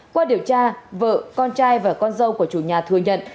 qua điều tra vợ con trai và con dâu của chủ nhà thừa nhận